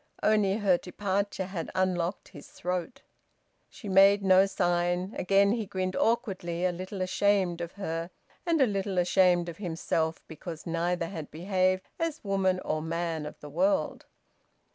Only her departure had unlocked his throat. She made no sign. Again he grinned awkwardly, a little ashamed of her and a little ashamed of himself, because neither had behaved as woman or man of the world.